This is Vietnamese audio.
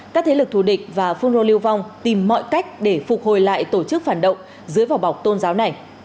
các thế lực thù địch và phun rô lưu vong tìm mọi cách để phục hồi lại tổ chức phản động dưới vỏ bọc tôn giáo này